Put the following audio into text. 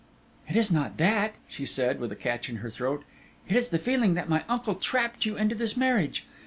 "It is not that," she said, with a catch in her throat; "it is the feeling that my uncle trapped you into this marriage.